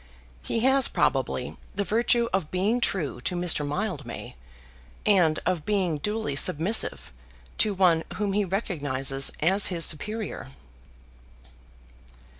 He has probably the virtue of being true to Mr. Mildmay, and of being duly submissive to one whom he recognises as his superior.